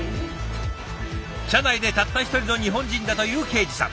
社内でたった一人の日本人だという恵司さん。